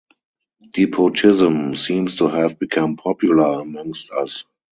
Despotism seems to have become popular amongst us.